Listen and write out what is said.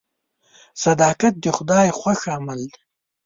صداقت د خدای خوښ عمل دی.